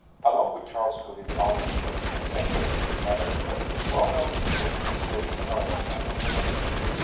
Alone with Charles Gould in the audience room, His Excellency managed with his well known skill to conceal his annoyance and consternation.